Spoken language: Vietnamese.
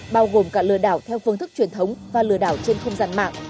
bao gồm cả lừa đảo theo phương thức truyền thống và lừa đảo trên không gian mạng